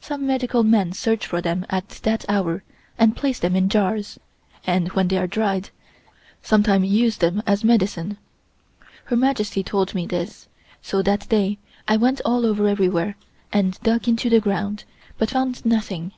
Some medical men search for them at that hour and place them in jars, and when they are dried, sometime use them as medicine. Her Majesty told me this, so that day I went all over everywhere and dug into the ground, but found nothing.